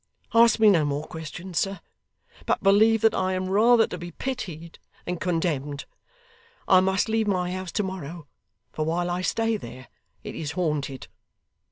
Ask me no more questions, sir; but believe that I am rather to be pitied than condemned. I must leave my house to morrow, for while I stay there, it is haunted.